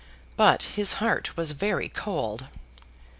But his heart was very cold.